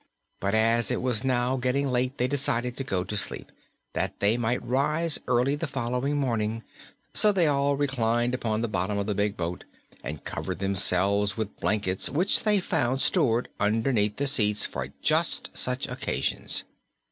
But as it was now getting late they decided to go to sleep, that they might rise early the following morning, so they all reclined upon the bottom of the big boat and covered themselves with blankets which they found stored underneath the seats for just such occasions.